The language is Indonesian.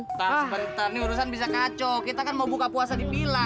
bentar bentar ini urusan bisa kacau kita kan mau buka puasa di vila